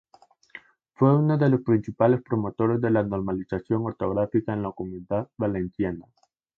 Fue uno de los principales promotores de la normalización ortográfica en la Comunidad Valenciana.